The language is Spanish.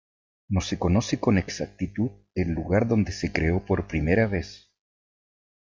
No se conoce con exactitud el lugar donde se creó por primera vez.